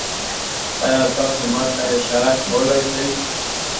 ایا تاسو ما ته اشاره کولی شئ؟